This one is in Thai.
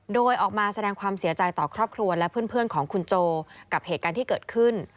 โดยออกมาแสดงความเสียใจต่อครอบครัวและเพื่อนของคุณโจกับเหตุการณ์ที่เกิดขึ้น